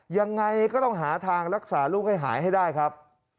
ยังไงก็ต้องหาทางรักษาลูกให้หายให้ได้ครับ